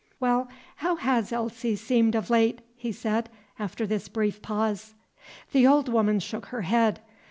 "Well, how has Elsie seemed of late?" he said, after this brief pause. The old woman shook her head.